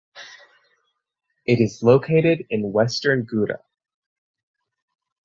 It is located in Western Ghouta.